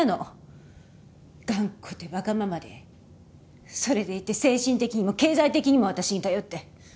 頑固でわがままでそれでいて精神的にも経済的にも私に頼って。